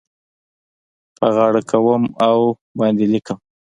په غاړه کوم او باندې لیکم